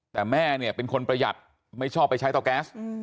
แต่แม่เนี่ยเป็นคนประหยัดไม่ชอบไปใช้เตาแก๊ส